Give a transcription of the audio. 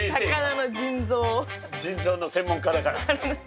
腎臓の専門家だから。